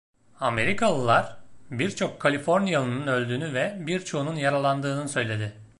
Amerikalılar, birçok Kaliforniyalının öldüğünü ve birçoğunun yaralandığını söyledi.